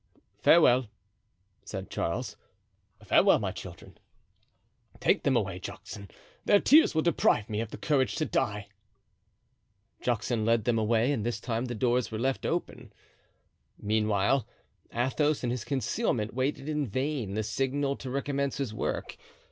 "Farewell," said Charles, "farewell, my children. Take them away, Juxon; their tears will deprive me of the courage to die." Juxon led them away, and this time the doors were left open. Meanwhile, Athos, in his concealment, waited in vain the signal to recommence his work.